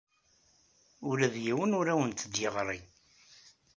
Ula d yiwen ur awent-d-yeɣri.